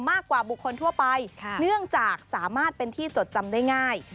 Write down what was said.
บุคคลทั่วไปเนื่องจากสามารถเป็นที่จดจำได้ง่าย